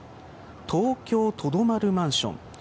東京とどまるマンション。